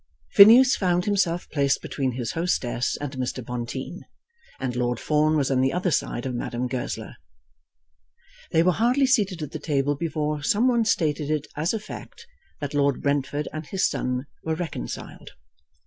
Phineas found himself placed between his hostess and Mr. Bonteen, and Lord Fawn was on the other side of Madame Goesler. They were hardly seated at the table before some one stated it as a fact that Lord Brentford and his son were reconciled.